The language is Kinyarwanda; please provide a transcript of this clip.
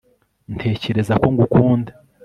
ntekereza ko ngukunda